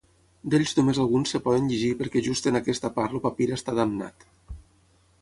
D'ells només alguns es poden llegir perquè just en aquesta part el papir està damnat.